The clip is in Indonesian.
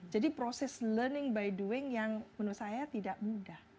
jadi proses learning by doing yang menurut saya tidak mudah